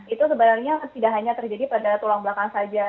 itu sebenarnya tidak hanya terjadi pada tulang belakang saja